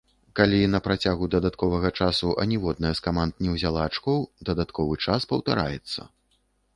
Калі на працягу дадатковага часу аніводная з каманд не ўзяла ачкоў, дадатковы час паўтараецца.